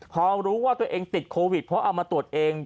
พอรู้ว่าตัวเองติดโควิดเพราะเอามาตรวจเอง